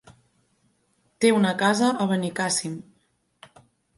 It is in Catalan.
Té una casa a Benicàssim.